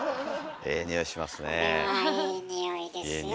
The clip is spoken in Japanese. ええにおいします。